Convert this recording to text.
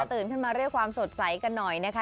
ตื่นขึ้นมาเรียกความสดใสกันหน่อยนะคะ